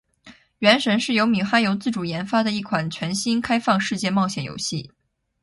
《原神》是由米哈游自主研发的一款全新开放世界冒险游戏。